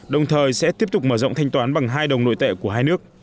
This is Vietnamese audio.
đồng thời sẽ tiếp tục mở rộng thanh toán bằng hai đồng nội tệ của hai nước